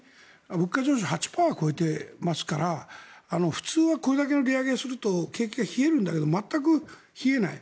物価上昇は８％を超えてますから普通はこれだけの利上げをすると景気が冷えるんだけど全く冷えない。